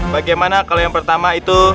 bagaimana kalau yang pertama itu